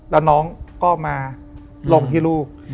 แล้วน้องก็มาลงที่ลูก